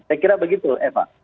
saya kira begitu eva